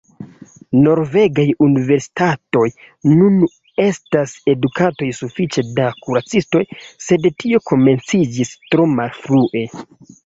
Norvegaj universitatoj nun estas edukantaj sufiĉe da kuracistoj, sed tio komenciĝis tro malfrue.